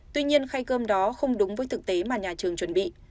tuy nhiên khay cơm đó không đúng với thực tế mà nhà trường chuẩn bị